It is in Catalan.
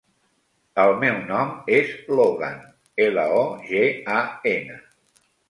El meu nom és Logan: ela, o, ge, a, ena.